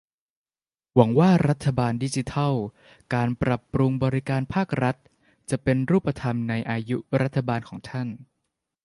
หวังว่ารัฐบาลดิจิทัล การปรับปรุงบริการภาครัฐ จะเป็นรูปธรรมในอายุรัฐบาลของท่าน